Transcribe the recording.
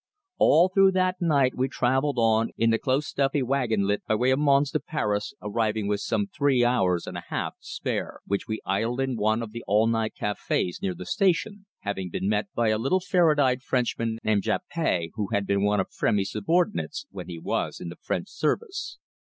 All through that night we travelled on in the close, stuffy wagon lit by way of Mons to Paris arriving with some three hours and a half to spare, which we idled in one of the all night cafés near the station, having been met by a little ferret eyed Frenchman, named Jappé, who had been one of Frémy's subordinates when he was in the French service.